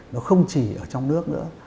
nó không chỉ ở trong nước nữa